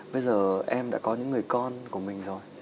bây giờ em đã có những người con của mình rồi